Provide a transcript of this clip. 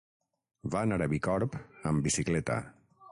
Va anar a Bicorb amb bicicleta.